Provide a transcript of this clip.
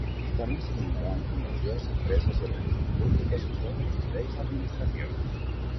Tamén se eliminarán fundacións, empresas e organismos públicos en todos os niveis da administración.